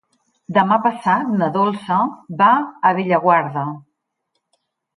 Demà passat na Dolça va a Bellaguarda.